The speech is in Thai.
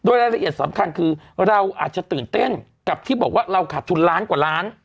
รายละเอียดสำคัญคือเราอาจจะตื่นเต้นกับที่บอกว่าเราขาดทุนล้านกว่าล้าน